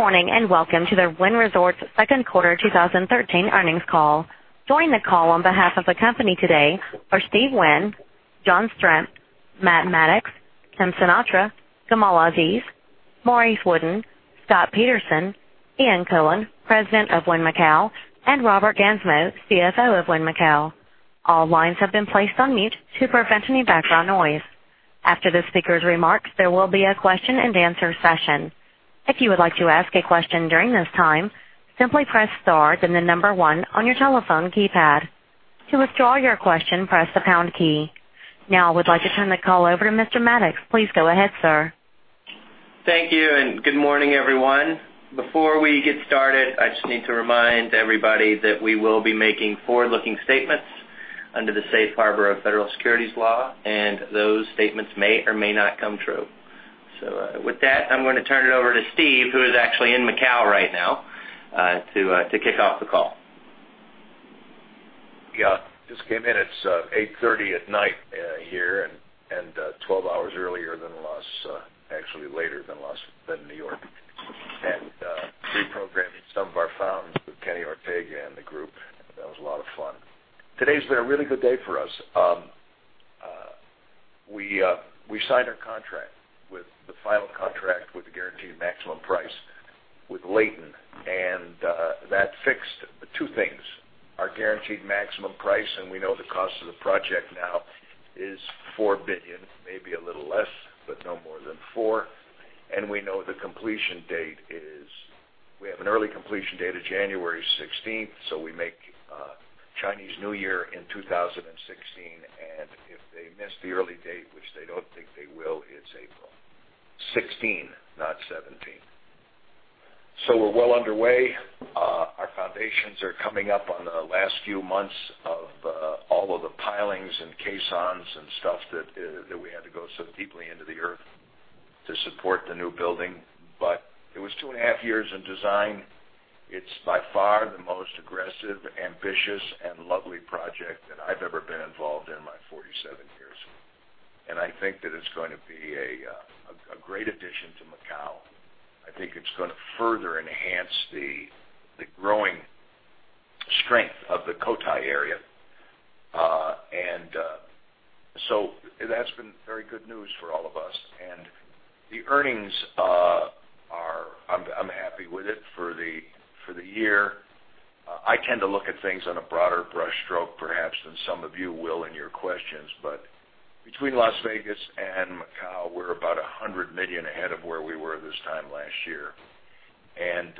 Good morning, and welcome to the Wynn Resorts second quarter 2013 earnings call. Joining the call on behalf of the company today are Steve Wynn, John Strzemp, Matt Maddox, Kim Sinatra, Gamal Aziz, Maurice Wooden, Scott Peterson, Ian Coughlan, President of Wynn Macau, and Robert Gansmo, CFO of Wynn Macau. All lines have been placed on mute to prevent any background noise. After the speakers' remarks, there will be a question-and-answer session. If you would like to ask a question during this time, simply press star then 1 on your telephone keypad. To withdraw your question, press the pound key. Now I would like to turn the call over to Mr. Maddox. Please go ahead, sir. Thank you, good morning, everyone. Before we get started, I just need to remind everybody that we will be making forward-looking statements under the safe harbor of federal securities law, and those statements may or may not come true. With that, I'm going to turn it over to Steve, who is actually in Macau right now, to kick off the call. Yeah. Just came in. It's 8:30 at night here and 12 hours earlier than actually later than New York. Reprogramming some of our fountains with Kenny Ortega and the group. That was a lot of fun. Today's been a really good day for us. We signed our contract, the final contract with the guaranteed maximum price, with Leighton, that fixed two things. Our guaranteed maximum price, we know the cost of the project now is $4 billion, maybe a little less, but no more than 4. We know the completion date is, we have an early completion date of January 16, so we make Chinese New Year in 2016. If they miss the early date, which they don't think they will, it's April 2016, not 2017. We're well underway. Our foundations are coming up on the last few months of all of the pilings and caissons and stuff that we had to go so deeply into the Earth to support the new building. It was two and a half years in design. It's by far the most aggressive, ambitious, and lovely project that I've ever been involved in in my 47 years. I think that it's going to be a great addition to Macau. I think it's going to further enhance the growing strength of the Cotai area. That's been very good news for all of us. The earnings are I'm happy with it for the year. I tend to look at things on a broader brushstroke, perhaps, than some of you will in your questions. Between Las Vegas and Macau, we're about $100 million ahead of where we were this time last year, and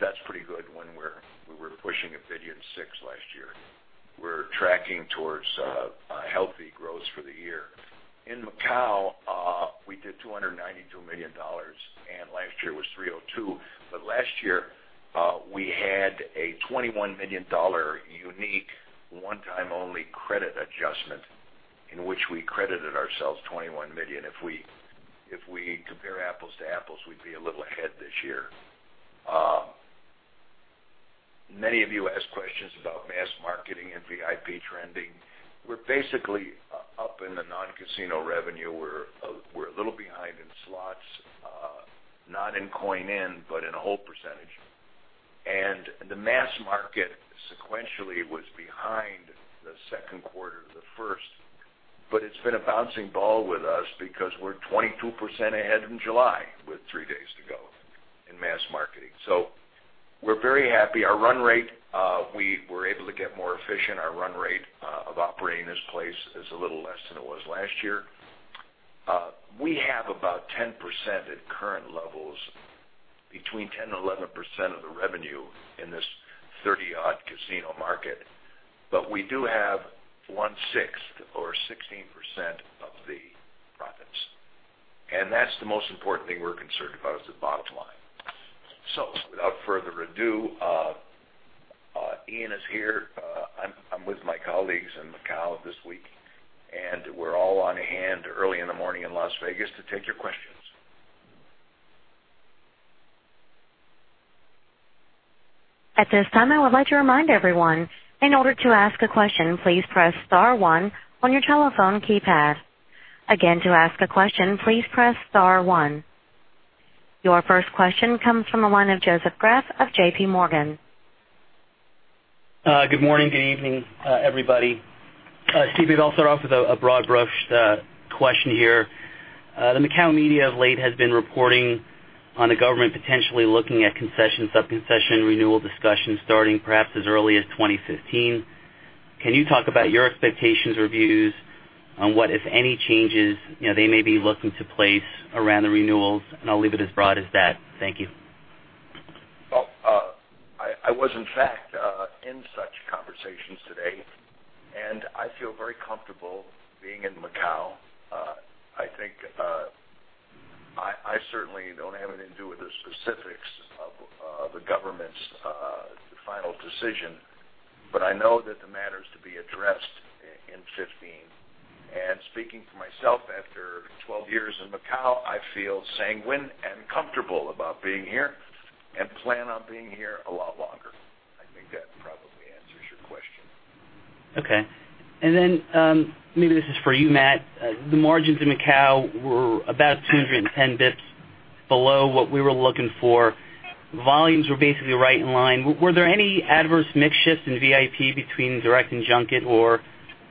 that's pretty good when we were pushing $1.6 billion last year. We're tracking towards a healthy growth for the year. In Macau, we did $292 million, and last year was $302 million. Last year, we had a $21 million unique one-time-only credit adjustment in which we credited ourselves $21 million. If we compare apples to apples, we'd be a little ahead this year. Many of you asked questions about mass marketing and VIP trending. We're basically up in the non-casino revenue. We're a little behind in slots, not in coin in, but in a whole percentage. The mass market sequentially was behind the second quarter of the first, it's been a bouncing ball with us because we're 22% ahead in July, with three days to go in mass marketing. We're very happy. We were able to get more efficient. Our run rate of operating this place is a little less than it was last year. We have about 10% at current levels, between 10% and 11% of the revenue in this 30-odd casino market, but we do have one-sixth or 16% of the profits, and that's the most important thing we're concerned about, is the bottom line. Without further ado, Ian is here. I'm with my colleagues in Macau this week, and we're all on hand early in the morning in Las Vegas to take your questions. At this time, I would like to remind everyone, in order to ask a question, please press star one on your telephone keypad. Again, to ask a question, please press star one. Your first question comes from the line of Joseph Greff of J.P. Morgan. Good morning, good evening, everybody. Steve, I'll start off with a broad-brush question here. The Macau media of late has been reporting on the government potentially looking at concession, sub-concession renewal discussions starting perhaps as early as 2015. Can you talk about your expectations or views on what, if any, changes they may be looking to place around the renewals? I'll leave it as broad as that. Thank you. Well, I was in fact in such conversations today. I feel very comfortable being in Macau. I certainly don't have anything to do with the specifics of the government's final decision, I know that the matter is to be addressed in 2015. Speaking for myself, after 12 years in Macau, I feel sanguine and comfortable about being here and plan on being here a lot longer. I think that probably answers your question. Okay. Maybe this is for you, Matt. The margins in Macau were about 210 basis points below what we were looking for. Volumes were basically right in line. Were there any adverse mix shifts in VIP between direct and junket or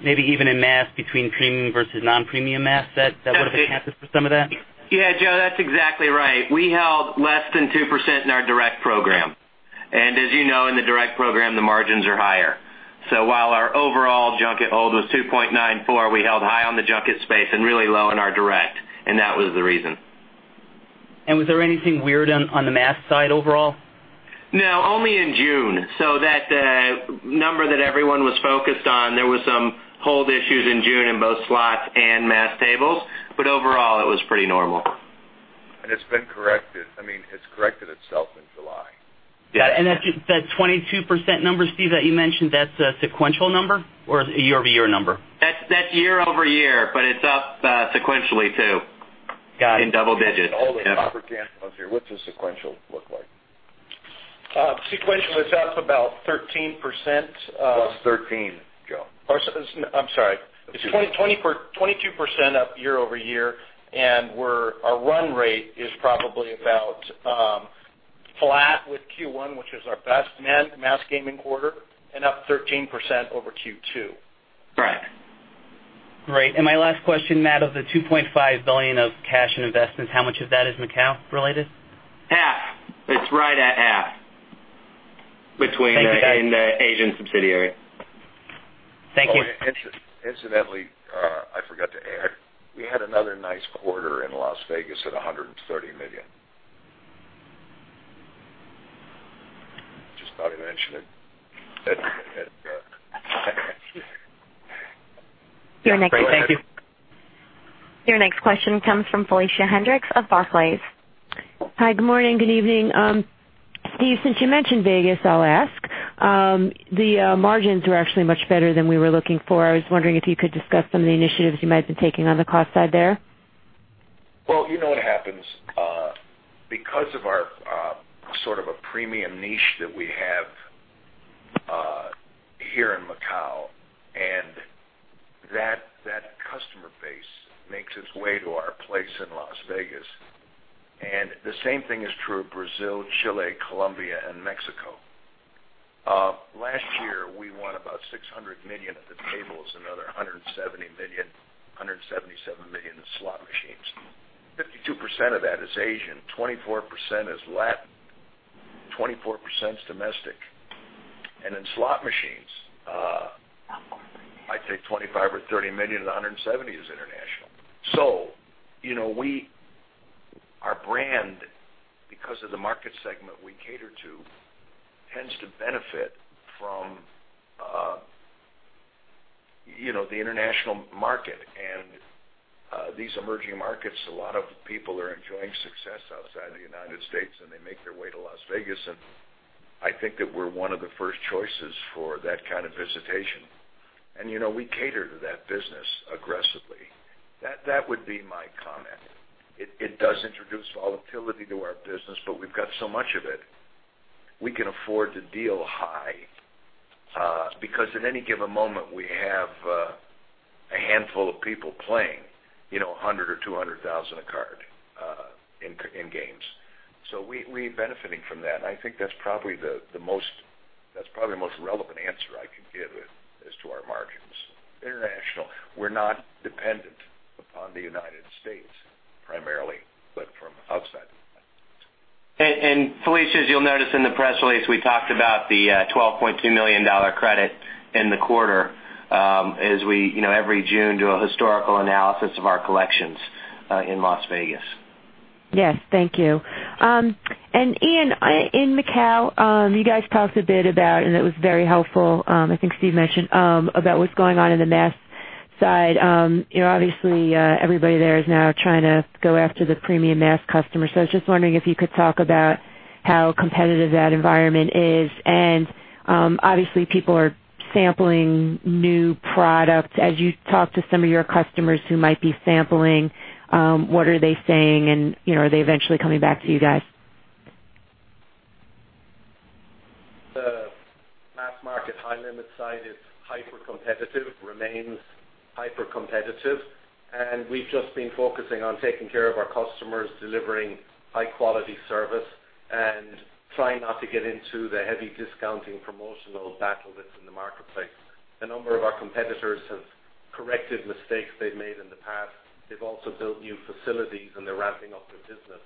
maybe even in mass between premium versus non-premium mass that would have accounted for some of that? Yeah, Joe, that's exactly right. We held less than 2% in our direct program. As you know, in the direct program, the margins are higher. While our overall junket hold was 2.94, we held high on the junket space and really low on our direct, that was the reason. Was there anything weird on the mass side overall? No, only in June. That number that everyone was focused on, there were some hold issues in June in both slots and mass tables. Overall, it was pretty normal. It's been corrected. It's corrected itself in July. That 22% number, Steve, that you mentioned, that's a sequential number? Or is it a year-over-year number? That's year-over-year. It's up sequentially too. Got it. In double digits. Hold it. Robert, here. What's the sequential look like? Sequential, it's up about 13%. Plus 13%, Joe. I'm sorry. It's 22% up year-over-year, our run rate is probably about flat with Q1, which is our best mass gaming quarter, up 13% over Q2. Right. Great. My last question, Matt, of the $2.5 billion of cash and investments, how much of that is Macau related? Half. It's right at half between. Thank you the Asian subsidiary. Thank you. Incidentally, I forgot to add, we had another nice quarter in Las Vegas at $130 million. Just thought I'd mention it. Great. Thank you. Your next question comes from Felicia Hendrix of Barclays. Hi. Good morning. Good evening. Steve, since you mentioned Vegas, I'll ask. The margins were actually much better than we were looking for. I was wondering if you could discuss some of the initiatives you might have been taking on the cost side there. You know what happens, because of our sort of a premium niche that we have here in Macau, and that customer base makes its way to our place in Las Vegas. The same thing is true of Brazil, Chile, Colombia, and Mexico. Last year, we won about $600 million at the tables, another $177 million in slot machines. 52% of that is Asian, 24% is Latin, 24% is domestic. In slot machines, I'd say $25 million or $30 million of the $170 is international. Our brand, because of the market segment we cater to, tends to benefit from the international market. These emerging markets, a lot of people are enjoying success outside the United States, and they make their way to Las Vegas, and I think that we're one of the first choices for that kind of visitation. We cater to that business aggressively. That would be my comment. It does introduce volatility to our business, but we've got so much of it. We can afford to deal high, because at any given moment, we have a handful of people playing $100,000 or $200,000 a card in games. We're benefiting from that, and I think that's probably the most relevant answer I can give as to our margins. International. We're not dependent upon the United States, primarily, but from outside the United States. Felicia, as you'll notice in the press release, we talked about the $12.2 million credit in the quarter as we, every June, do a historical analysis of our collections in Las Vegas. Yes. Thank you. Ian, in Macau, you guys talked a bit about, and it was very helpful, I think Steve mentioned, about what's going on in the mass side. Obviously, everybody there is now trying to go after the premium mass customer. I was just wondering if you could talk about how competitive that environment is. Obviously, people are sampling new products. As you talk to some of your customers who might be sampling, what are they saying, and are they eventually coming back to you guys? The mass market high limit side is hypercompetitive, remains hypercompetitive, and we've just been focusing on taking care of our customers, delivering high-quality service, and trying not to get into the heavy discounting promotional battle that's in the marketplace. A number of our competitors have corrected mistakes they've made in the past. They've also built new facilities, and they're ramping up their business.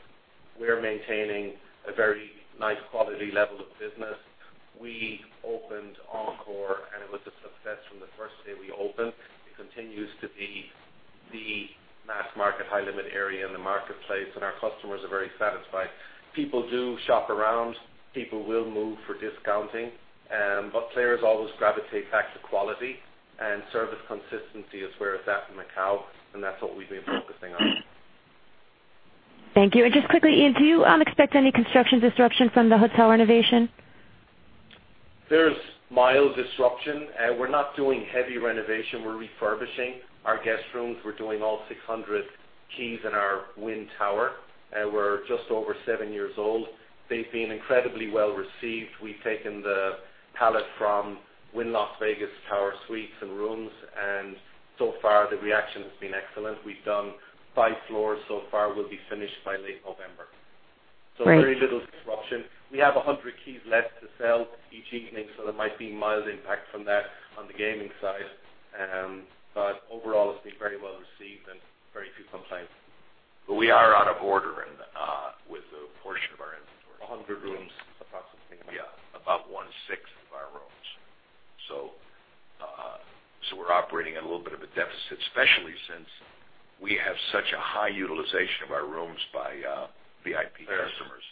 We're maintaining a very nice quality level of business. We opened Encore, and it was a success from the first day we opened. It continues to be the mass market high limit area in the marketplace, and our customers are very satisfied. People do shop around. People will move for discounting. Players always gravitate back to quality, and service consistency is where it's at in Macau, and that's what we've been focusing on. Thank you. Just quickly, Ian, do you expect any construction disruption from the hotel renovation? There's mild disruption. We're not doing heavy renovation. We're refurbishing our guest rooms. We're doing all 600 keys in our Wynn Tower. We're just over seven years old. They've been incredibly well received. We've taken the palette from Wynn Las Vegas Tower suites and rooms. So far, the reaction has been excellent. We've done five floors so far. We'll be finished by late November. Great. Very little disruption. We have 100 keys left to sell each evening, so there might be mild impact from that on the gaming side. Overall, it's been very well received and very few complaints. We are out of order with a portion of our inventory. 100 rooms, approximately. Yeah. About one-sixth of our rooms. We're operating at a little bit of a deficit, especially since we have such a high utilization of our rooms by VIP customers.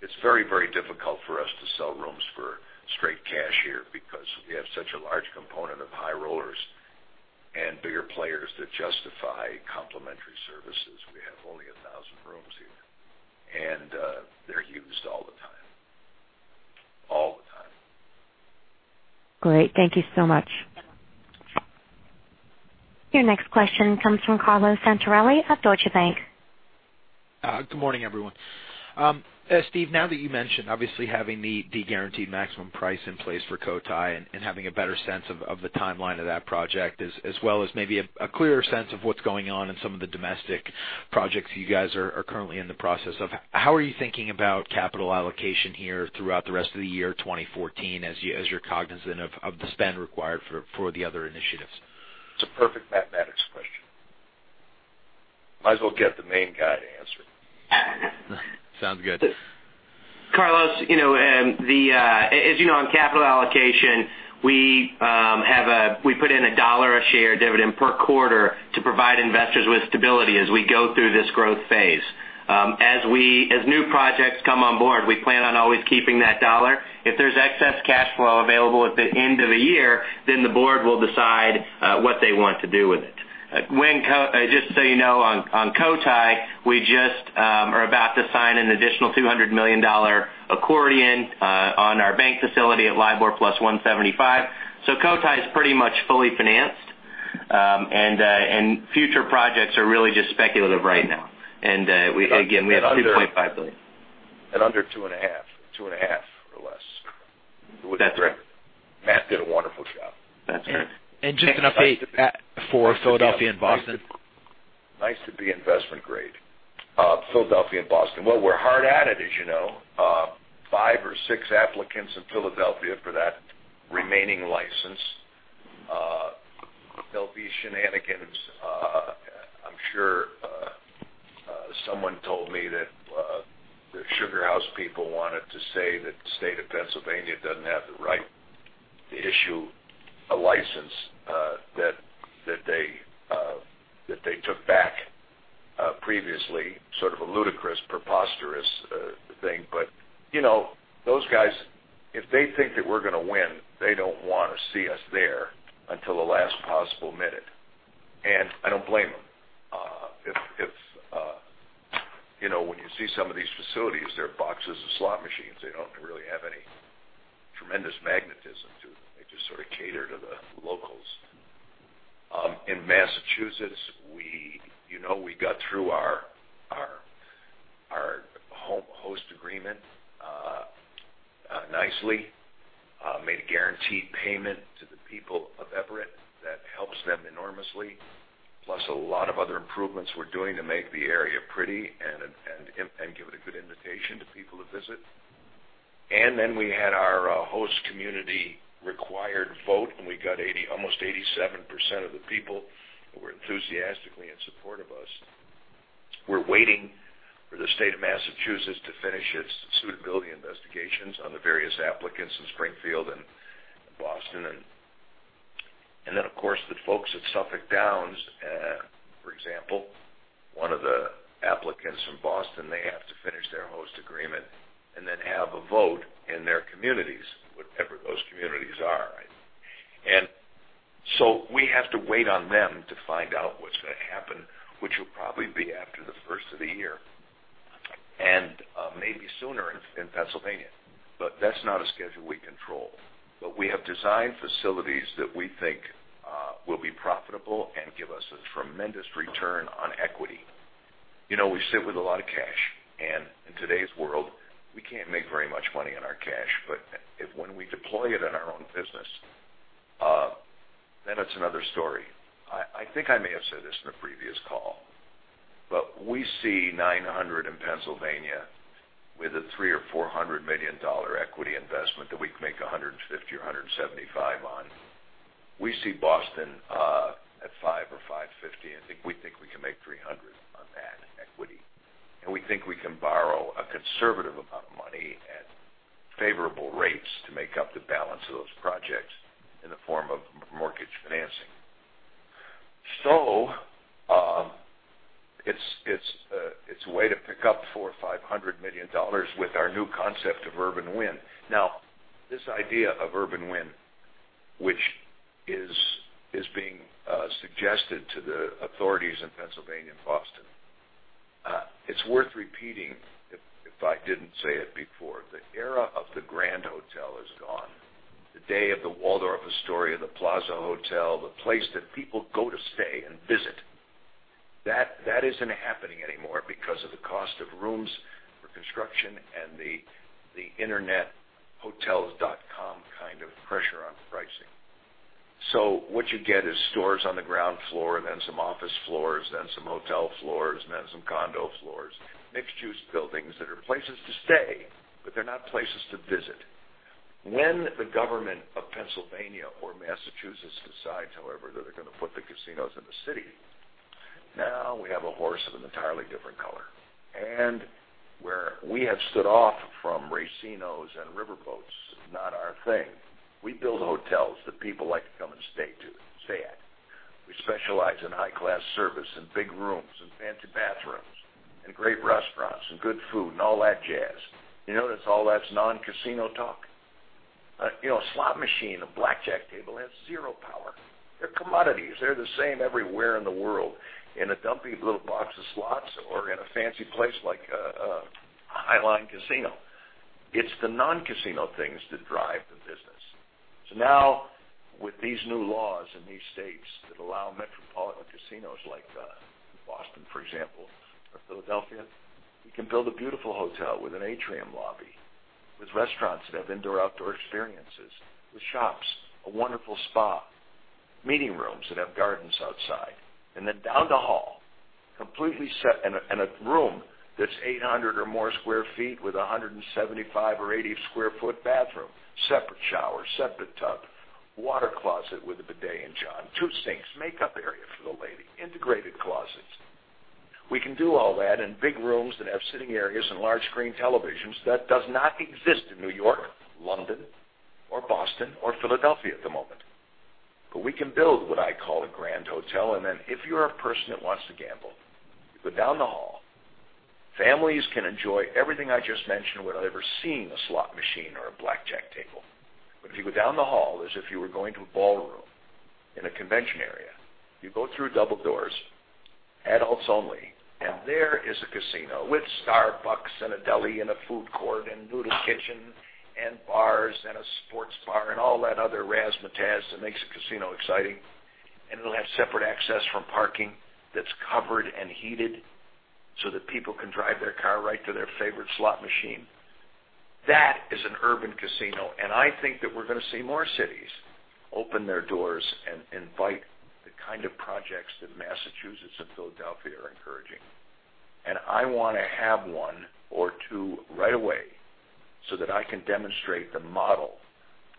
It's very difficult for us to sell rooms for straight cash here because we have such a large component of high rollers and bigger players that justify complimentary services. We have only 1,000 rooms here, and they're used all the time. All the time. Great. Thank you so much. Your next question comes from Carlo Santarelli of Deutsche Bank. Good morning, everyone. Steve, now that you mentioned, obviously, having the guaranteed maximum price in place for Cotai and having a better sense of the timeline of that project, as well as maybe a clearer sense of what's going on in some of the domestic projects you guys are currently in the process of, how are you thinking about capital allocation here throughout the rest of the year 2014 as you're cognizant of the spend required for the other initiatives? It's a perfect mathematics question. Might as well get the main guy to answer it. Sounds good. Carlo, as you know, on capital allocation, we put in a $1 a share dividend per quarter to provide investors with stability as we go through this growth phase. As new projects come on board, we plan on always keeping that $1. If there's excess cash flow available at the end of the year, the board will decide what they want to do with it. Just so you know, on Cotai, we just are about to sign an additional $200 million accordion on our bank facility at LIBOR plus 175. Cotai is pretty much fully financed. Future projects are really just speculative right now. Again, we have $2.5 billion. At under two and a half or less. That's right. Matt did a wonderful job. That's right. Just an update for Philadelphia and Boston. Nice to be investment grade. Philadelphia and Boston. Well, we're hard at it, as you know. Five or six applicants in Philadelphia for that remaining license. There'll be shenanigans, I'm sure. Someone told me that the SugarHouse people wanted to say that the state of Pennsylvania doesn't have the right to issue a license that they took back previously. Sort of a ludicrous, preposterous thing. Those guys, if they think that we're going to win, they don't want to see us there until the last possible minute. I don't blame them. When you see some of these facilities, they're boxes of slot machines. They don't really have any tremendous magnetism to them. They just sort of cater to the locals. In Massachusetts, we got through our host agreement nicely, made a guaranteed payment to the people of Everett that helps them enormously, plus a lot of other improvements we're doing to make the area pretty and give it a good invitation to people to visit. We had our host community required vote, and we got almost 87% of the people who were enthusiastically in support of us. We're waiting for the state of Massachusetts to finish its suitability investigations on the various applicants in Springfield and Boston. Of course, the folks at Suffolk Downs, for example, one of the applicants from Boston, they have to finish their host agreement and then have a vote in their communities, whatever those communities are. We have to wait on them to find out what's going to happen, which will probably be after the first of the year. Maybe sooner in Pennsylvania. That's not a schedule we control. We have designed facilities that we think will be profitable and give us a tremendous return on equity. We sit with a lot of cash, and in today's world, we can't make very much money on our cash. When we deploy it in our own business, then it's another story. I think I may have said this in a previous call, but we see $900 in Pennsylvania with a $300 or $400 million equity investment that we can make $150 or $175 on. We see Boston at $500 or $550, I think we think we can make $300 on that equity. We think we can borrow a conservative amount of money at favorable rates to make up the balance of those projects in the form of mortgage financing. It's a way to pick up $400 or $500 million with our new concept of Urban Wynn. This idea of Urban Wynn, which is being suggested to the authorities in Pennsylvania and Boston, it's worth repeating, if I didn't say it before, the era of the grand hotel is gone. The day of the Waldorf Astoria, the Plaza Hotel, the place that people go to stay and visit. That isn't happening anymore because of the cost of rooms for construction and the internet Hotels.com kind of pressure on the pricing. What you get is stores on the ground floor, then some office floors, then some hotel floors, and then some condo floors. Mixed-use buildings that are places to stay, but they're not places to visit. When the government of Pennsylvania or Massachusetts decides, however, that they're going to put the casinos in the city, now we have a horse of an entirely different color. Where we have stood off from racinos and riverboats, not our thing. We build hotels that people like to come and stay at. We specialize in high-class service, big rooms, fancy bathrooms, great restaurants, and good food and all that jazz. You notice all that's non-casino talk. A slot machine, a blackjack table has zero power. They're commodities. They're the same everywhere in the world, in a dumpy little box of slots or in a fancy place like a high-end casino. It's the non-casino things that drive the business. Now, with these new laws in these states that allow metropolitan casinos like Boston, for example, or Philadelphia, you can build a beautiful hotel with an atrium lobby, with restaurants that have indoor/outdoor experiences, with shops, a wonderful spa, meeting rooms that have gardens outside. Then down the hall, and a room that's 800 or more sq ft with 175 or 80 sq ft bathroom, separate shower, separate tub, water closet with a bidet and john, two sinks, makeup area for the lady, integrated closets. We can do all that in big rooms that have sitting areas and large screen televisions. That does not exist in New York, London, or Boston or Philadelphia at the moment. We can build what I call a grand hotel, and then if you're a person that wants to gamble, you go down the hall. Families can enjoy everything I just mentioned without ever seeing a slot machine or a blackjack table. If you go down the hall as if you were going to a ballroom in a convention area, you go through double doors, adults only, and there is a casino with Starbucks and a deli, a food court, a noodle kitchen, bars, and a sports bar and all that other razzmatazz that makes a casino exciting. It'll have separate access from parking that's covered and heated so that people can drive their car right to their favorite slot machine. That is an urban casino, and I think that we're going to see more cities open their doors and invite the kind of projects that Massachusetts and Philadelphia are encouraging. I want to have one or two right away so that I can demonstrate the model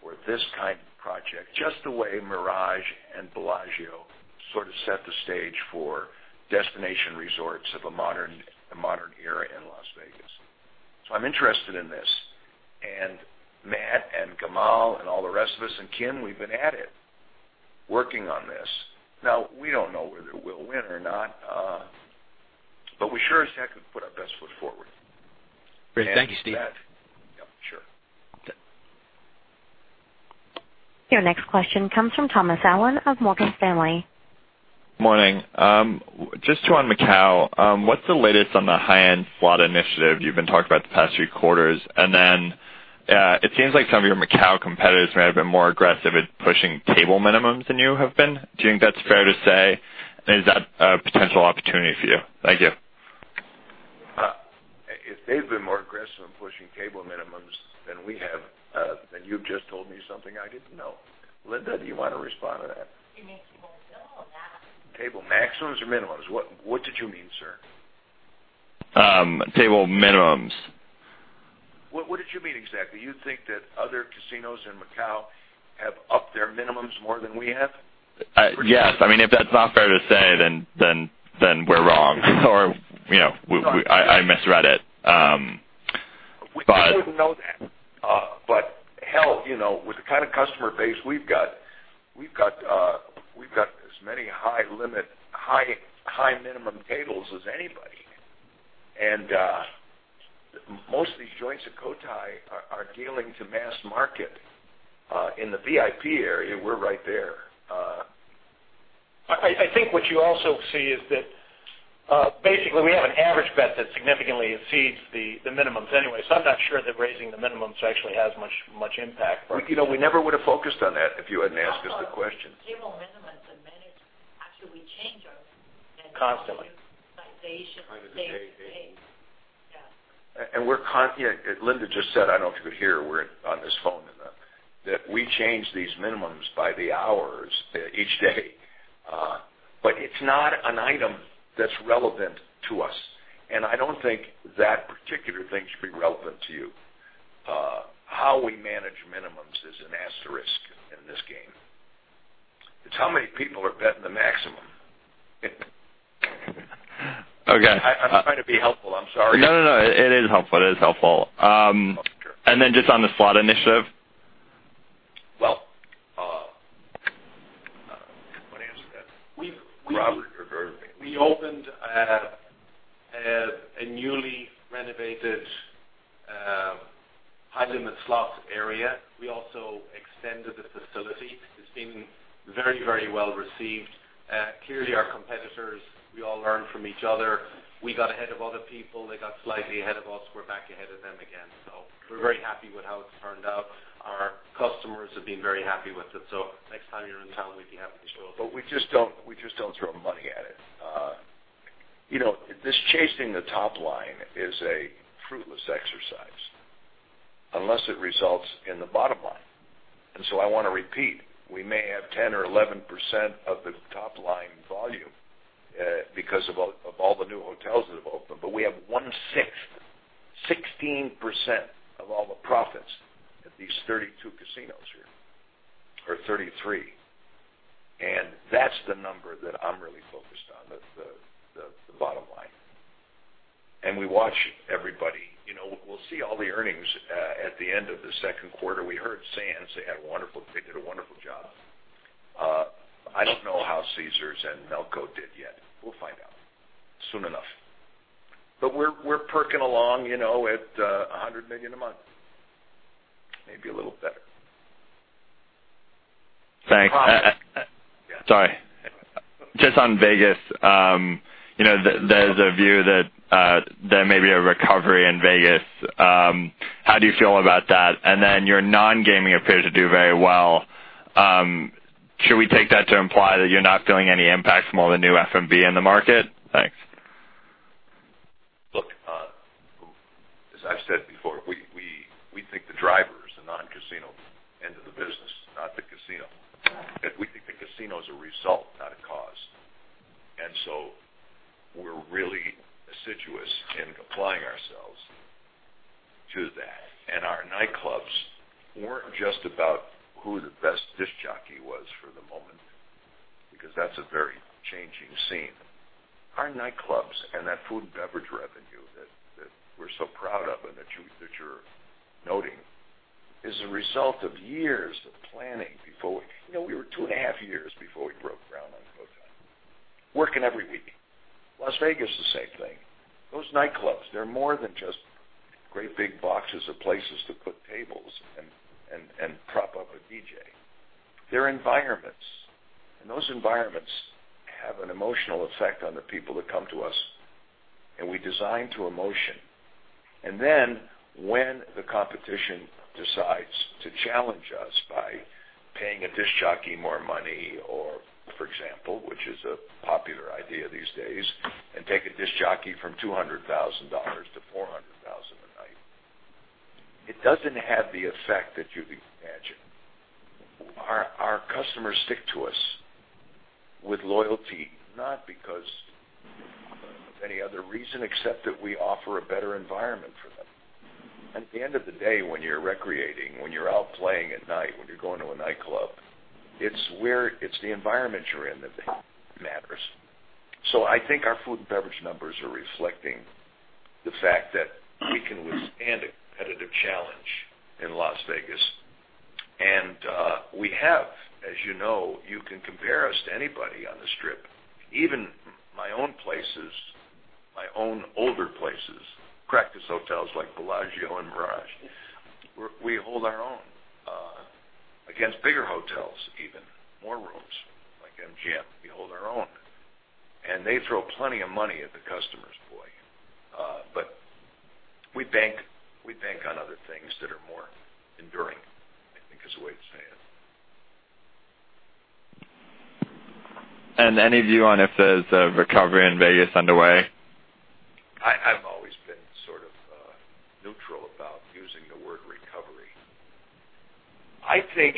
for this kind of project, just the way Mirage and Bellagio sort of set the stage for destination resorts of a modern era in Las Vegas. I'm interested in this. Matt and Gamal and all the rest of us, and Kim, we've been at it, working on this. We don't know whether we'll win or not. We sure as heck have put our best foot forward. Great. Thank you, Steve. Yeah, sure. Okay. Your next question comes from Thomas Allen of Morgan Stanley. Morning. Just two on Macau. What's the latest on the high-end slot initiative you've been talking about the past three quarters? It seems like some of your Macau competitors may have been more aggressive at pushing table minimums than you have been. Do you think that's fair to say? Is that a potential opportunity for you? Thank you. If they've been more aggressive in pushing table minimums than we have, then you've just told me something I didn't know. Linda, do you want to respond to that? It means table maximum, not- Table maximums or minimums? What did you mean, sir? Table minimums. What did you mean exactly? You think that other casinos in Macau have upped their minimums more than we have? Yes. If that's not fair to say, then we're wrong, or I misread it. We wouldn't know that. Hell, with the kind of customer base we've got, we've got as many high limit, high minimum tables as anybody. Most of these joints at Cotai are dealing to mass market. In the VIP area, we're right there. I think what you also see is that basically we have an average bet that significantly exceeds the minimums anyway. I'm not sure that raising the minimums actually has much impact for us. We never would've focused on that if you hadn't asked us the question. Table minimums are managed. Actually, we change them. Constantly Day to day. Linda just said, I don't know if you could hear her on this phone, that we change these minimums by the hours each day. It's not an item that's relevant to us, and I don't think that particular thing should be relevant to you. How we manage minimums is an asterisk in this game. It's how many people are betting the maximum. Okay. I'm trying to be helpful. I'm sorry. No, it is helpful. Okay. Just on the slot initiative. Well, who can answer that? Robert or Ian. We opened a newly renovated High Limit Slots area. We also extended the facility. It's been very well received. Clearly, our competitors, we all learn from each other. We got ahead of other people, they got slightly ahead of us, we're back ahead of them again. We're very happy with how it's turned out. Our customers have been very happy with it. Next time you're in town, we'd be happy to show it to you. We just don't throw money at it. This chasing the top line is a fruitless exercise unless it results in the bottom line. I want to repeat, we may have 10% or 11% of the top-line volume because of all the new hotels that have opened, but we have one-sixth, 16% of all the profits at these 32 casinos here, or 33. That's the number that I'm really focused on, the bottom line. We watch everybody. We'll see all the earnings at the end of the second quarter. We heard Sands, they did a wonderful job. I don't know how Caesars and Melco did yet. We'll find out soon enough. We're perking along at $100 million a month, maybe a little better. Thanks. Yeah. Sorry. Anyway. Just on Vegas, there's a view that there may be a recovery in Vegas. How do you feel about that? Your non-gaming appears to do very well. Should we take that to imply that you're not feeling any impact from all the new F&B in the market? Thanks. Look, as I've said before, we think the driver is the non-casino end of the business, not the casino. We think the casino is a result, not a cause. We're really assiduous in applying ourselves to that. Our nightclubs weren't just about who the best disc jockey was for the moment, because that's a very changing scene. Our nightclubs and that food and beverage revenue that we're so proud of and that you're noting is a result of years of planning before. We were two and a half years before we broke ground on The Cosmopolitan, working every week. Las Vegas, the same thing. Those nightclubs, they're more than just great big boxes or places to put tables and prop up a DJ. They're environments, and those environments have an emotional effect on the people that come to us, and we design to emotion. When the competition decides to challenge us by paying a disc jockey more money, for example, which is a popular idea these days, and take a disc jockey from $200,000 to $400,000 a night, it doesn't have the effect that you'd imagine. Our customers stick to us with loyalty, not because of any other reason, except that we offer a better environment for them. At the end of the day, when you're recreating, when you're out playing at night, when you're going to a nightclub, it's the environment you're in that matters. I think our food and beverage numbers are reflecting the fact that we can withstand a competitive challenge in Las Vegas. We have, as you know, you can compare us to anybody on the Strip, even my own places, my own older places, practice hotels like Bellagio and Mirage, we hold our own against bigger hotels even, more rooms like MGM, we hold our own. They throw plenty of money at the customers, boy. We bank on other things that are more enduring, I think is the way to say it. Any view on if there's a recovery in Vegas underway? I've always been sort of neutral about using the word recovery. I think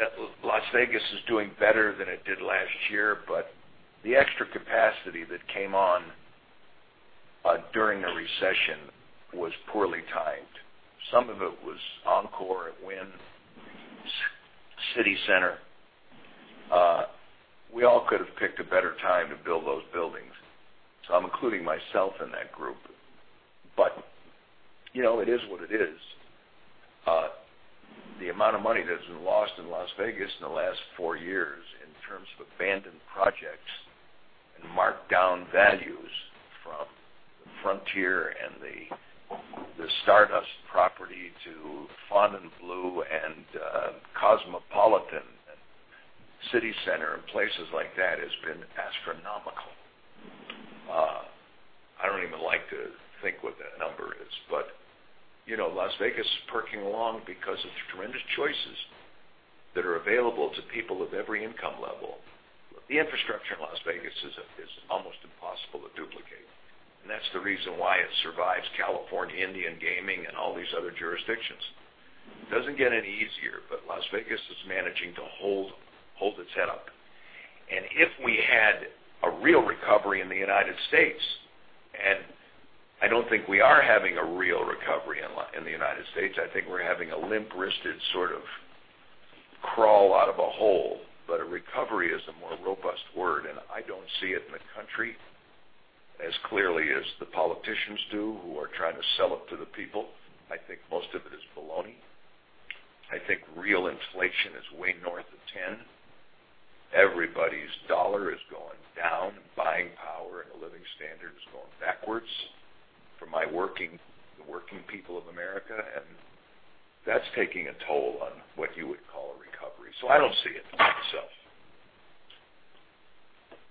that Las Vegas is doing better than it did last year, the extra capacity that came on during the recession was poorly timed. Some of it was Encore at Wynn, CityCenter. We all could have picked a better time to build those buildings. I'm including myself in that group. It is what it is. The amount of money that has been lost in Las Vegas in the last four years in terms of abandoned projects and marked down values from the Frontier and the Stardust property to Fontainebleau and Cosmopolitan and CityCenter and places like that has been astronomical. I don't even like to think what that number is. Las Vegas is perking along because of the tremendous choices that are available to people of every income level. The infrastructure in Las Vegas is almost impossible to duplicate, that's the reason why it survives California Indian gaming and all these other jurisdictions. It doesn't get any easier, Las Vegas is managing to hold its head up. If we had a real recovery in the United States, I don't think we are having a real recovery in the United States. I think we're having a limp-wristed sort of crawl out of a hole. A recovery is a more robust word, and I don't see it in the country as clearly as the politicians do who are trying to sell it to the people. I think most of it is baloney. I think real inflation is way north of 10. Everybody's dollar is going- Power and the living standards going backwards from my working people of America, and that's taking a toll on what you would call a recovery. I don't see it myself.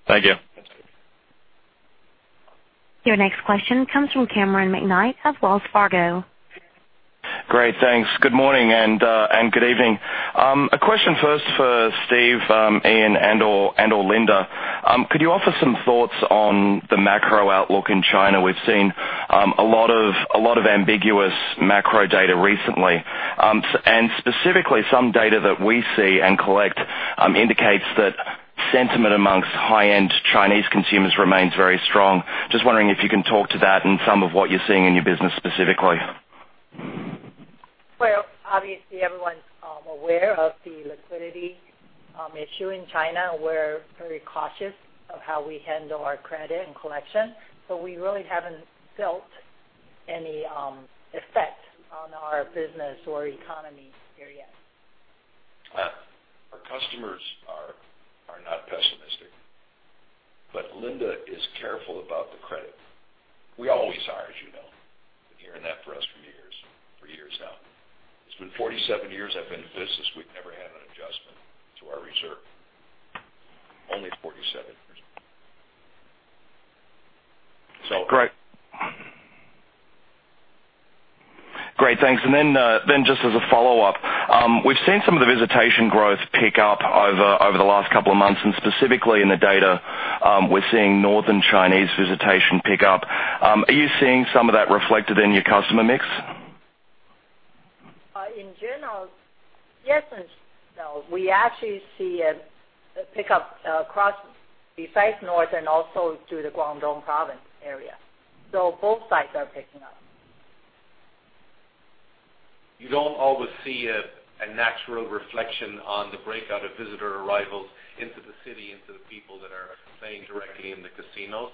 Thank you. That's it. Your next question comes from Cameron McKnight of Wells Fargo. Great. Thanks. Good morning, and good evening. A question first for Steve, Ian, and/or Linda. Could you offer some thoughts on the macro outlook in China? We've seen a lot of ambiguous macro data recently. Specifically, some data that we see and collect indicates that sentiment amongst high-end Chinese consumers remains very strong. Just wondering if you can talk to that and some of what you're seeing in your business specifically. Well, obviously, everyone's aware of the liquidity issue in China. We're very cautious of how we handle our credit and collection, we really haven't felt any effect on our business or economy here yet. Our customers are not pessimistic, Linda is careful about the credit. We always are, as you know. You've been hearing that for us for years now. It's been 47 years I've been in business, we've never had an adjustment to our reserve. Only 47 years. Great. Great. Thanks. Just as a follow-up, we've seen some of the visitation growth pick up over the last couple of months, specifically in the data, we're seeing northern Chinese visitation pick up. Are you seeing some of that reflected in your customer mix? In general, yes and no. We actually see a pickup across besides north and also to the Guangdong province area. Both sides are picking up. You don't always see a natural reflection on the breakout of visitor arrivals into the city and to the people that are staying directly in the casinos.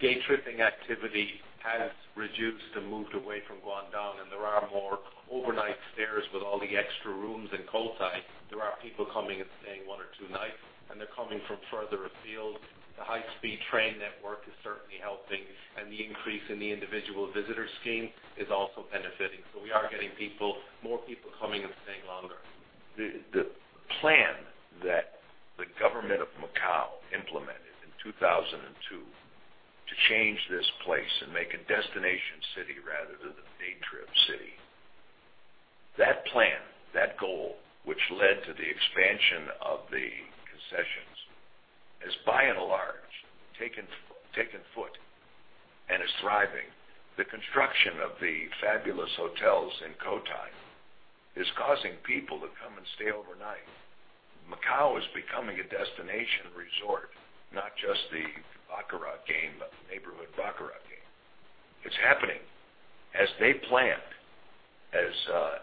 Day-tripping activity has reduced and moved away from Guangdong, and there are more overnight stayers with all the extra rooms in Cotai. There are people coming and staying one or two nights, and they're coming from further afield. The high-speed train network is certainly helping, and the increase in the Individual Visit Scheme is also benefiting. We are getting more people coming and staying longer. The plan that the government of Macau implemented in 2002 to change this place and make a destination city rather than a day-trip city. That plan, that goal, which led to the expansion of the concessions, has by and large, taken foot and is thriving. The construction of the fabulous hotels in Cotai is causing people to come and stay overnight. Macau is becoming a destination resort, not just the baccarat game, the neighborhood baccarat game. It's happening as they planned.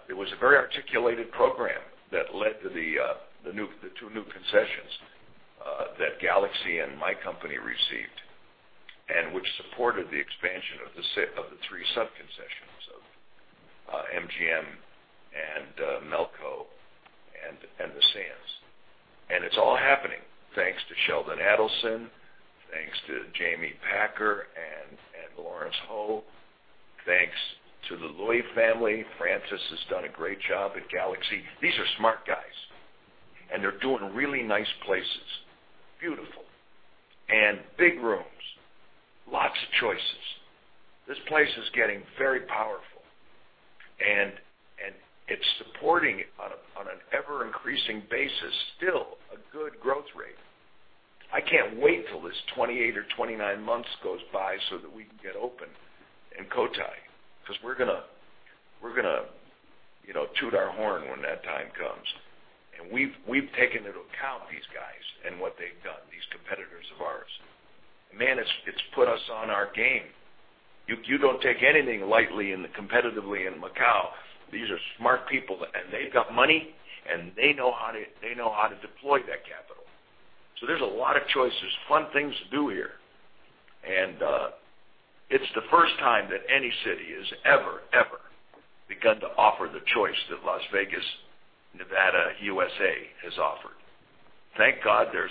It was a very articulated program that led to the two new concessions that Galaxy and my company received, which supported the expansion of the three sub-concessions of MGM, Melco, and The Sands. It's all happening. Thanks to Sheldon Adelson, thanks to Jamie Packer, and Lawrence Ho. Thanks to the Lui family. Francis has done a great job at Galaxy. These are smart guys, they're doing really nice places. Beautiful, big rooms, lots of choices. This place is getting very powerful, it's supporting on an ever-increasing basis, still, a good growth rate. I can't wait till this 28 or 29 months goes by so that we can get open in Cotai, because we're going to toot our horn when that time comes. We've taken into account these guys and what they've done, these competitors of ours. Man, it's put us on our game. You don't take anything lightly and competitively in Macau. These are smart people, they've got money, and they know how to deploy that capital. There's a lot of choices, fun things to do here, it's the first time that any city has ever begun to offer the choice that Las Vegas, Nevada, U.S.A., has offered. I thank God they're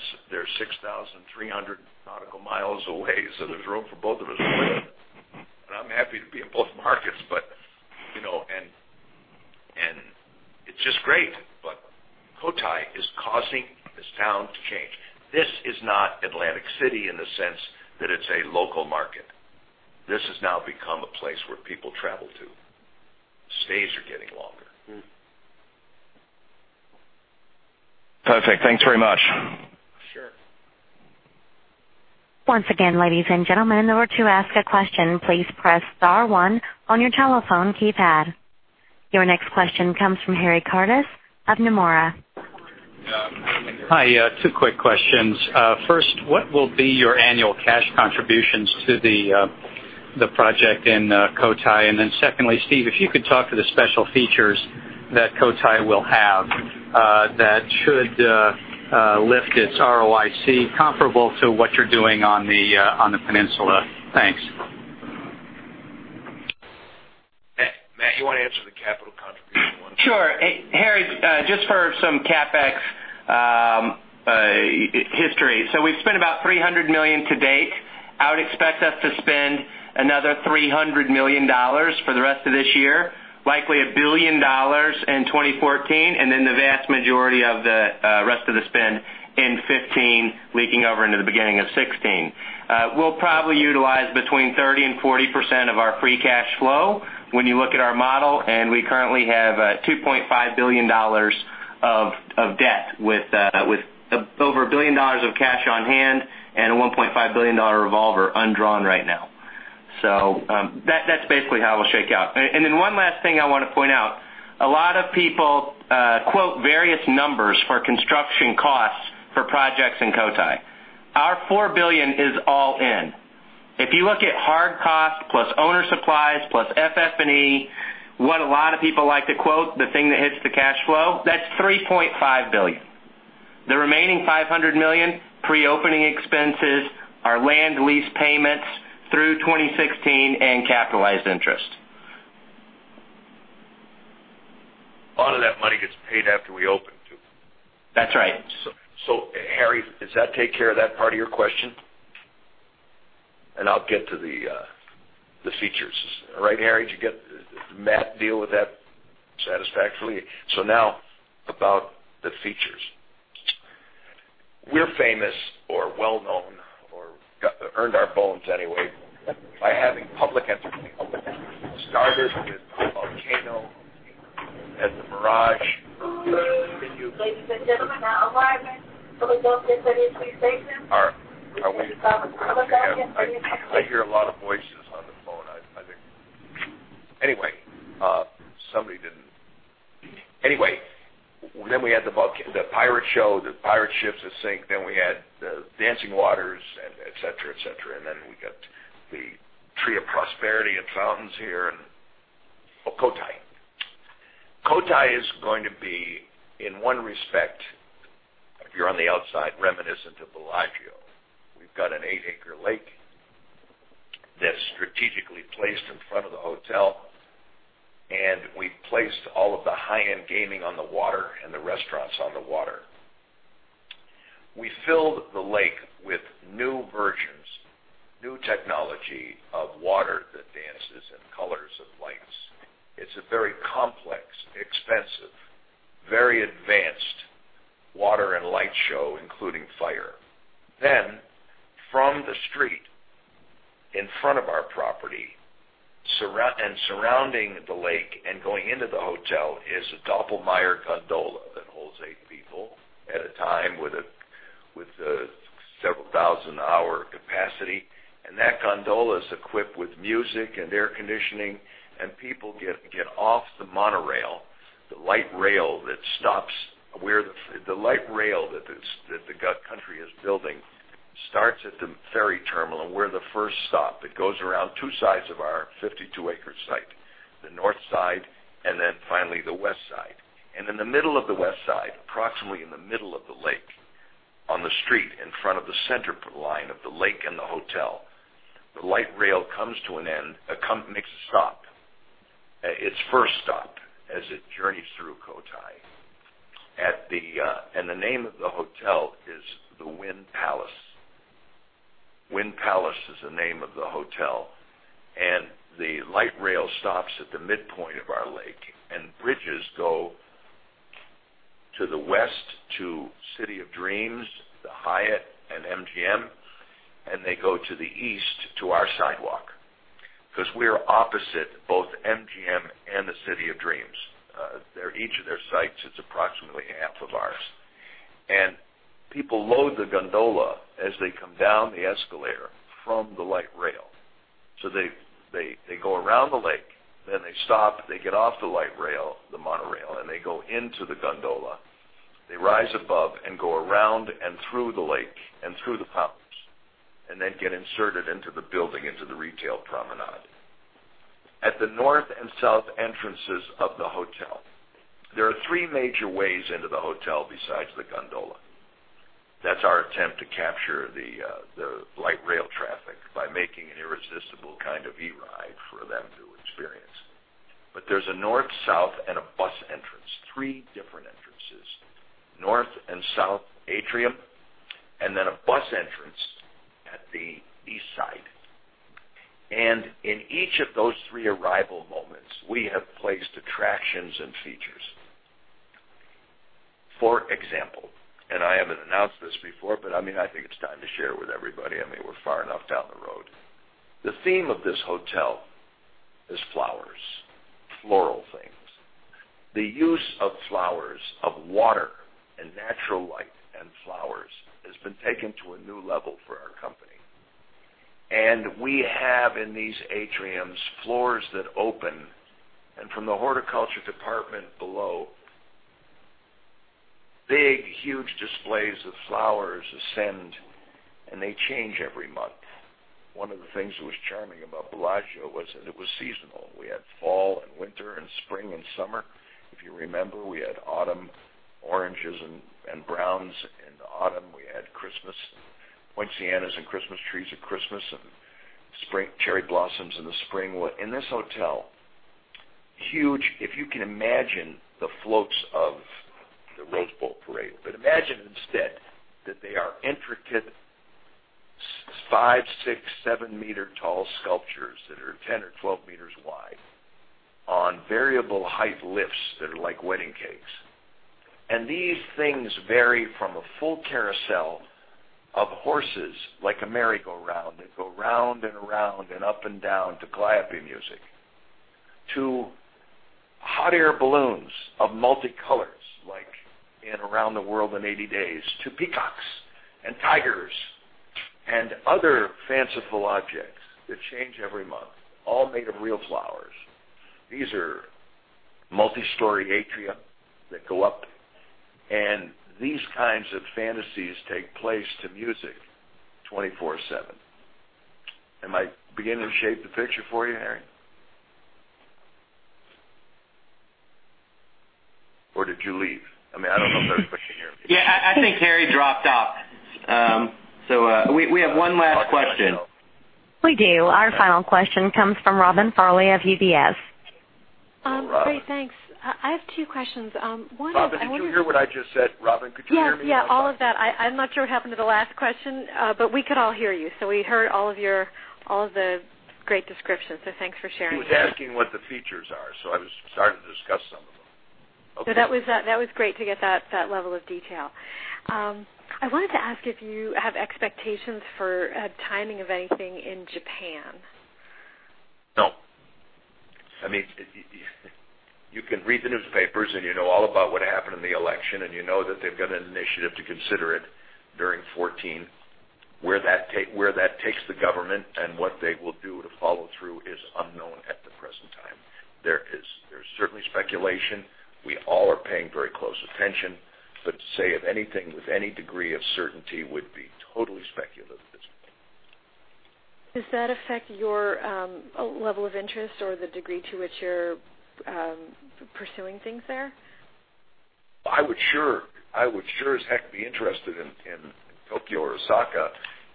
6,300 nautical miles away, there's room for both of us. I'm happy to be in both markets, it's just great. Cotai is causing this town to change. This is not Atlantic City in the sense that it's a local market. This has now become a place where people travel to. Stays are getting longer. Perfect. Thanks very much. Sure. Once again, ladies and gentlemen, in order to ask a question, please press star one on your telephone keypad. Your next question comes from Harry Curtis of Nomura. Hi. Two quick questions. First, what will be your annual cash contributions to the project in Cotai? Secondly, Steve, if you could talk to the special features that Cotai will have that should lift its ROIC comparable to what you're doing on the Peninsula. Thanks. Harry, just for some CapEx history. We've spent about $300 million to date. I would expect us to spend another $300 million for the rest of this year, likely $1 billion in 2014, and the vast majority of the rest of the spend in 2015, leaking over into the beginning of 2016. We'll probably utilize between 30%-40% of our free cash flow when you look at our model, and we currently have $2.5 billion of debt with over $1 billion of cash on hand and a $1.5 billion revolver undrawn right now. That's basically how it'll shake out. One last thing I want to point out, a lot of people quote various numbers for construction costs for projects in Cotai. Our $4 billion is all in. If you look at hard cost plus owner supplies plus FF&E, what a lot of people like to quote, the thing that hits the cash flow, that's $3.5 billion. The remaining $500 million, pre-opening expenses, our land lease payments through 2016, and capitalized interest. A lot of that money gets paid after we open too. That's right. Harry, does that take care of that part of your question? I'll get to the features. All right, Harry, did Matt deal with that satisfactorily? Now about the features. We're famous or well-known or earned our bones anyway, by having public entertainment. We started with Volcano at The Mirage. I hear a lot of voices on the phone. Then we had the pirate show, the pirate ships that sink, then we had the dancing waters, et cetera. Then we got the tree of prosperity and fountains here in Cotai. Cotai is going to be, in one respect, if you're on the outside, reminiscent of Bellagio. We've got an eight-acre lake that's strategically placed in front of the hotel, and we've placed all of the high-end gaming on the water and the restaurants on the water. We filled the lake with new versions, new technology of water that dances and colors and lights. It's a very complex, expensive, very advanced water and light show, including fire. From the street in front of our property and surrounding the lake and going into the hotel is a Doppelmayr gondola that holds eight people at a time with several thousand hour capacity. That gondola is equipped with music and air conditioning, and people get off the monorail, the light rail that the government is building starts at the ferry terminal and we're the first stop. It goes around two sides of our 52-acre site, the north side, and then finally the west side. In the middle of the west side, approximately in the middle of the lake, on the street in front of the center line of the lake and the hotel, the light rail comes to an end, makes a stop, its first stop, as it journeys through Cotai. The name of the hotel is the Wynn Palace. Wynn Palace is the name of the hotel, and the light rail stops at the midpoint of our lake, and bridges go to the west to City of Dreams, the Hyatt, and MGM, and they go to the east to our sidewalk because we're opposite both MGM and the City of Dreams. Each of their sites, it's approximately half of ours. People load the gondola as they come down the escalator from the light rail. They go around the lake, then they stop, they get off the light rail, the monorail, and they go into the gondola. They rise above and go around and through the lake and through the fountains, and then get inserted into the building, into the retail promenade. At the north and south entrances of the hotel, there are three major ways into the hotel besides the gondola. That's our attempt to capture the light rail traffic by making an irresistible kind of e-ride for them to experience. There's a north, south, and a bus entrance, three different entrances, north and south atrium, then a bus entrance at the east side. In each of those three arrival moments, we have placed attractions and features. For example, I haven't announced this before, but I think it's time to share with everybody. I mean, we're far enough down the road. The theme of this hotel is flowers, floral things. The use of flowers, of water and natural light and flowers has been taken to a new level for our company. We have in these atriums, floors that open, and from the horticulture department below, big, huge displays of flowers ascend, and they change every month. One of the things that was charming about Bellagio was that it was seasonal. We had fall and winter and spring and summer. If you remember, we had autumn, oranges and browns in the autumn. We had Christmas, poincianas and Christmas trees at Christmas and Spring cherry blossoms in the spring. In this hotel, huge, if you can imagine the floats of the Rose Bowl parade, but imagine instead that they are intricate, five, six, seven-meter-tall sculptures that are 10 or 12 meters wide on variable height lifts that are like wedding cakes. These things vary from a full carousel of horses like a merry-go-round that go round and round and up and down to calliope music, to hot air balloons of multicolors like in Around the World in 80 Days, to peacocks and tigers and other fanciful objects that change every month, all made of real flowers. These are multi-story atrium that go up, and these kinds of fantasies take place to music 24/7. Am I beginning to shape the picture for you, Harry? Or did you leave? I don't know if there's question here. Yeah, I think Harry dropped out. We have one last question. We do. Our final question comes from Robin Farley of UBS. Robin. Great. Thanks. I have two questions. One is- Robin, did you hear what I just said? Robin, could you hear me? Yeah, all of that. I'm not sure what happened to the last question, but we could all hear you. We heard all of the great descriptions. Thanks for sharing that. He was asking what the features are, so I was starting to discuss some of them. Okay. That was great to get that level of detail. I wanted to ask if you have expectations for timing of anything in Japan. No. You can read the newspapers, you know all about what happened in the election, and you know that they've got an initiative to consider it during 2014. Where that takes the government and what they will do to follow through is unknown at the present time. There's certainly speculation. We all are paying very close attention, but to say of anything with any degree of certainty would be totally speculative at this point. Does that affect your level of interest or the degree to which you're pursuing things there? I would sure as heck be interested in Tokyo or Osaka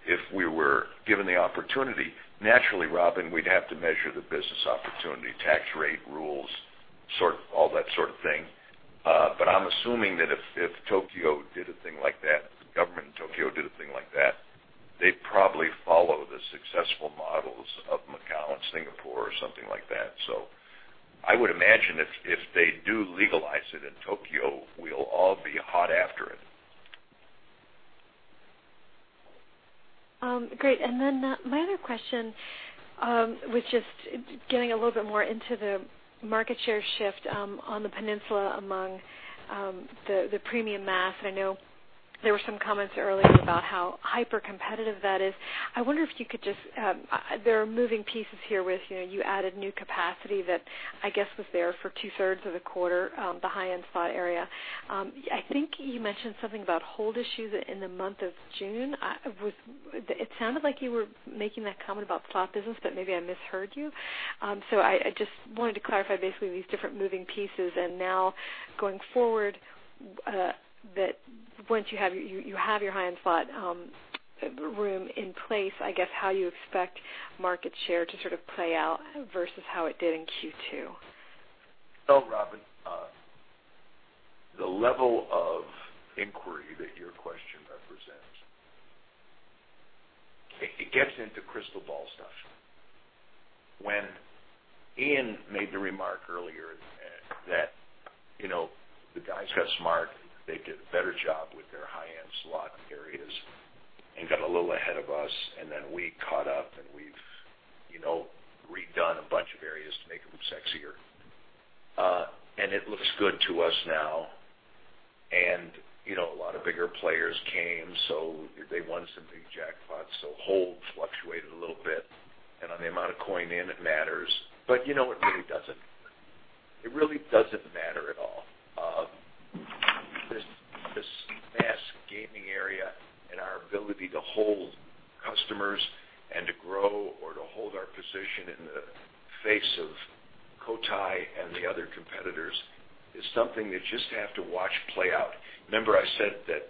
if we were given the opportunity. Naturally, Robin, we'd have to measure the business opportunity, tax rate rules, all that sort of thing. I'm assuming that if Tokyo did a thing like that, the government in Tokyo did a thing like that, they'd probably follow the successful models of Macau and Singapore or something like that. I would imagine if they do legalize it in Tokyo, we'll all be hot after it. Great. My other question was just getting a little bit more into the market share shift on the peninsula among the premium mass. I know there were some comments earlier about how hyper-competitive that is. I wonder if you could just-- there are moving pieces here with, you added new capacity that I guess was there for two-thirds of the quarter, the high-end slot area. I think you mentioned something about hold issues in the month of June. It sounded like you were making that comment about the slot business, maybe I misheard you. I just wanted to clarify, basically, these different moving pieces, and now going forward, that once you have your high-end slot room in place, I guess, how you expect market share to play out versus how it did in Q2. Well, Robin, the level of inquiry that your question represents, it gets into crystal ball stuff. When Ian made the remark earlier that the guys got smart, they did a better job with their high-end slot areas and got a little ahead of us, then we caught up, and we've redone a bunch of areas to make them sexier. It looks good to us now, and a lot of bigger players came, they won some big jackpots. Hold fluctuated a little bit. On the amount of coin in, it matters. It really doesn't. It really doesn't matter at all. This mass gaming area and our ability to hold customers and to grow or to hold our position in the face of Cotai and the other competitors is something that you just have to watch play out. Remember I said that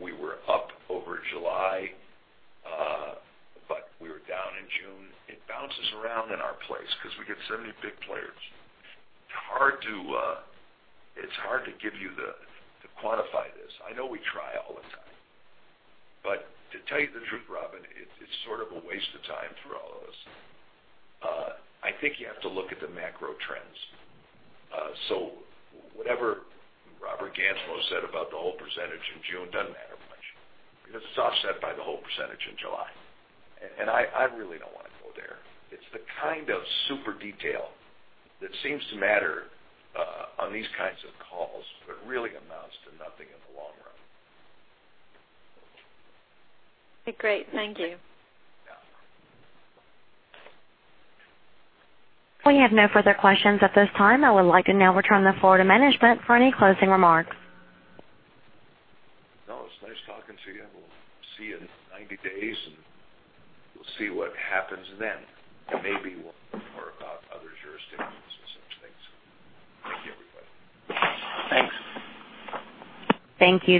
we were up over July, but we were down in June. It bounces around in our place because we get so many big players. It's hard to quantify this. I know we try all the time. To tell you the truth, Robin, it's sort of a waste of time for all of us. I think you have to look at the macro trends. Whatever Robert Gansmo said about the whole percentage in June doesn't matter much because it's offset by the whole percentage in July. I really don't want to go there. It's the kind of super detail that seems to matter on these kinds of calls, but really amounts to nothing in the long run. Great. Thank you. Yeah. We have no further questions at this time. I would like to now return the floor to management for any closing remarks. No, it's nice talking to you. We'll see you in 90 days, and we'll see what happens then. Maybe we'll hear about other jurisdictions and such things. Thank you, everybody. Thanks. Thank you.